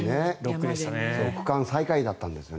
区間最下位だったんですよね。